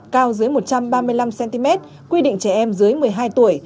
cao dưới một trăm ba mươi năm cm quy định trẻ em dưới một mươi hai tuổi